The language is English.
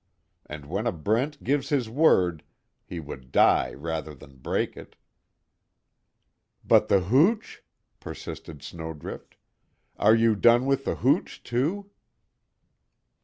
And when a Brent gives his word, he would die rather than break it." "But the hooch?" persisted Snowdrift. "Are you done with the hooch too?"